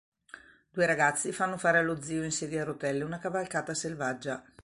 Due ragazzi fanno fare allo zio in sedia a rotelle una cavalcata selvaggia.